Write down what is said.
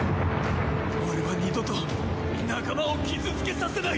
俺は二度と仲間を傷つけさせない！